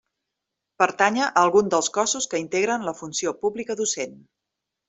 Pertànyer a algun dels cossos que integren la funció pública docent.